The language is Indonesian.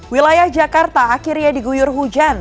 wilayah jakarta akhirnya diguyur hujan